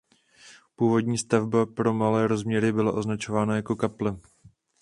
Původní stavba pro malé rozměry byla označována jako kaple.